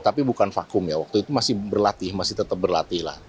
tapi bukan vakum ya waktu itu masih berlatih masih tetap berlatih lah